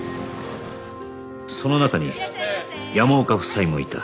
その中に山岡夫妻もいた